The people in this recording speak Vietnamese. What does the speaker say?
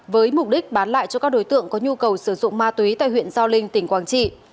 với mục đích bán lại cho các đối tượng có nhu cầu sử dụng ma túy tại huyện giao linh tỉnh quảng trị